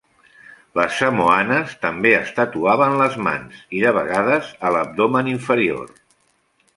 Les samoanes també es tatuaven les mans i, de vegades, a l'abdomen inferior.